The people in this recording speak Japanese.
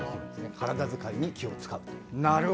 体遣いに気を使うと。